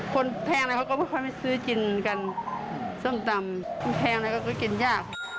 คนแพงเราก็กินยาก